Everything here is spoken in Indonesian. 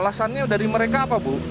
alasannya dari mereka apa bu